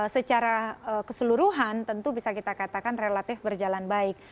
secara keseluruhan tentu bisa kita katakan relatif berjalan baik